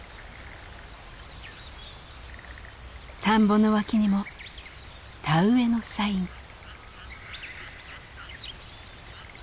田んぼの脇にも田植えのサイン。